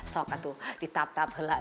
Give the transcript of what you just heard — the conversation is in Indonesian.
sokatu ditap tap helak